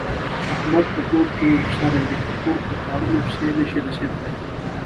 احمد په کور کې یو سری دی، د کور په کارنو پسې نشي رسېدلی.